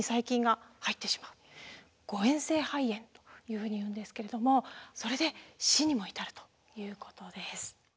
誤えん性肺炎というふうにいうんですけれどもそれで死にも至るということです。